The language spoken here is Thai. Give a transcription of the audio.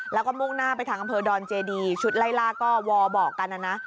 แล้วก็มุ่งหน้าไปทางอำเภอดอนเจดีชุดไล่ล่าก็วอบอกกันนะนะ